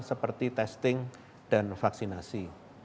seperti testing dan vaksinasi